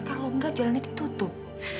kalau enggak jalannya ditutup